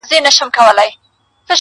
څله بيا په دومره درد، ماته اړوې سترگي_